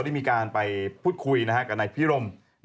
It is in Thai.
ได้มีการไปพูดคุยกับนายพิรม